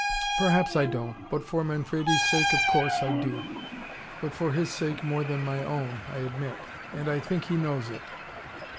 "Perhaps I don't but for Manfredi's sake, of course, I do. But for his sake more than my own, I admit. And I think he knows it."